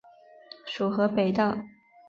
属河北道。